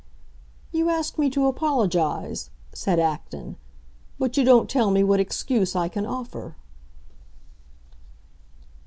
"You ask me to apologize," said Acton, "but you don't tell me what excuse I can offer."